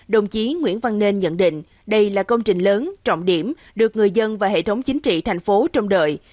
đồng chí nguyễn văn nên nhận định đây là công trình lớn trọng điểm được người dân và hệ thống chính trị thành phố trong đợi